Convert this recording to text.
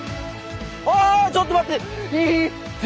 あちょっと待って！